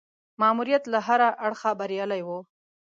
ماموریت له هره اړخه بریالی وو.